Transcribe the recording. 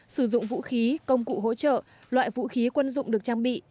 sử dụng vũ khí công cụ hỗ trợ loại vũ khí quân dụng được trang bị